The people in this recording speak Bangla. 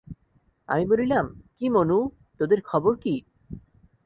আমি বলিলাম, কী মনু, তোদের খবর কী?